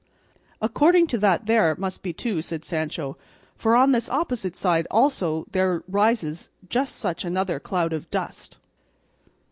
"According to that there must be two," said Sancho, "for on this opposite side also there rises just such another cloud of dust."